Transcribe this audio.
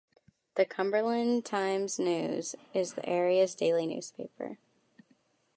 The "Cumberland Times-News" is the area's daily newspaper.